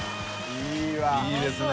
いい錙いいですね